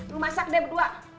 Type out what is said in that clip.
lo masak deh berdua